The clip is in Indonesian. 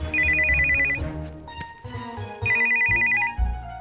mbak pake diri lu bang